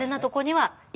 はい。